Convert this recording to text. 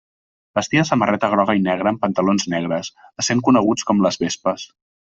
Vestia samarreta groga i negra amb pantalons negres, essent coneguts com les vespes.